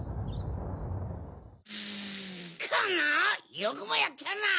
よくもやったな！